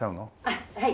あっはい。